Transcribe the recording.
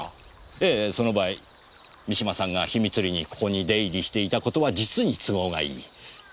ええその場合三島さんが秘密裏にここに出入りしていたことは実に都合がいい。